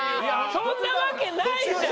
そんなわけないじゃん！